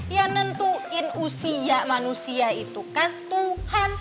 ya nentuin usia manusia itu kan tuhan